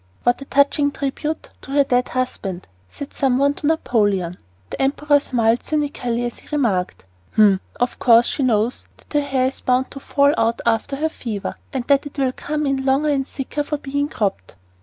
"What a touching tribute to her dead husband!" said some one to Napoleon. The emperor smiled cynically as he remarked: "H'm! Of course she knows that her hair is bound to fall out after her fever, and that it will come in longer and thicker for being cropped."